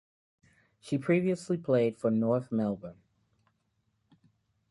She previously played for North Melbourne.